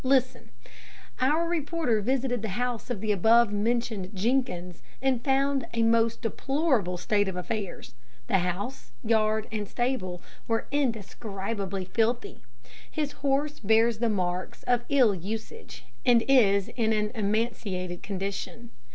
Listen: 'Our reporter visited the house of the above mentioned Jenkins, and found a most deplorable state of affairs. The house, yard and stable were indescribably filthy. His horse bears the marks of ill usage, and is in an emaciated condition.